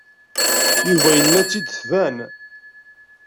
Yuba yenna-tt-id tban.